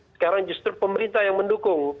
sekarang justru pemerintah yang mendukung